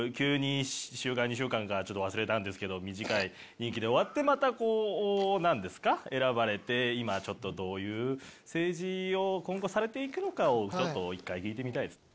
１週間か２週間かちょっと忘れたんですけど短い任期で終わってまた何ですか選ばれてちょっとどういう政治を今後されて行くのかを一回聞いてみたいです。